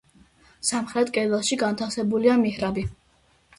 სამხრეთ კედელში განთავსებულია მიჰრაბი.